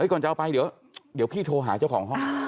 ก่อนจะเอาไปเดี๋ยวพี่โทรหาเจ้าของห้อง